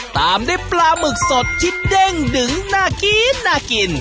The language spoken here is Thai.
ตามด้วยปลาหมึกสดที่เด้งดึงน่ากินน่ากิน